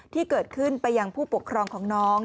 ที่เกิดขึ้นไปยังผู้ปกครองของน้อง